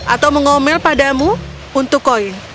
atau mengomel padamu untuk koin